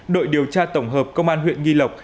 đội điều tra tổng hợp công an huyện nghi lộc